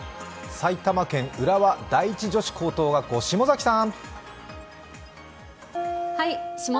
埼玉県浦和第一女子高等学校・下崎さん。